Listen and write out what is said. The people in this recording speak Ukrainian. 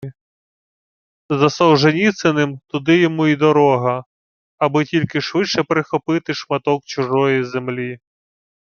За Солженіциним – туди йому і дорога! Аби тільки швидше прихопити шматок чужої землі